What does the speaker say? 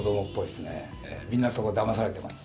みんなそこだまされてます。